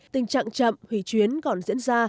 tình trạng chậm hủy chuyến còn diễn ra